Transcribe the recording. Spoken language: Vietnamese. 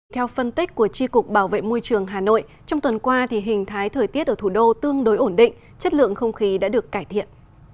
theo phân tích của tri cục bảo vệ môi trường hà nội trong tuần qua thì hình thái thời tiết ở thủ đô tương đối ổn định chất lượng không khí đã được cải thiện